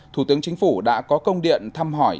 thủ tướng chính phủ đã có công điện thăm hỏi